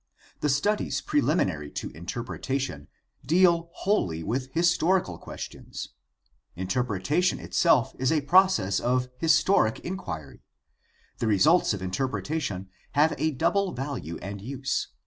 The studies preliminary to interpretation deal wholly with historical questions. Inter pretation itself is a process of historic inquiry. The results of interpretation have a double value and use.